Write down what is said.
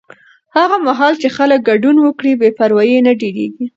هغه مهال چې خلک ګډون وکړي، بې پروایي نه ډېریږي.